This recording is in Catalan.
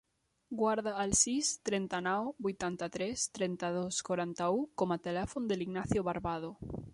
Guarda el sis, trenta-nou, vuitanta-tres, trenta-dos, quaranta-u com a telèfon de l'Ignacio Barbado.